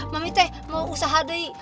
mami teh mau usaha beli